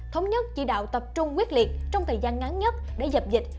thống nhất chỉ đạo tập trung quyết liệt trong thời gian ngắn nhất để dập dịch